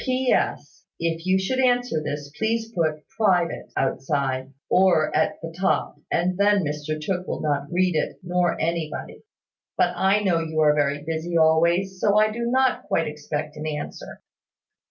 "PS. If you should answer this, please put `private' outside, or at the top; and then Mr Tooke will not read it, nor anybody. But I know you are very busy always; so I do not quite expect an answer."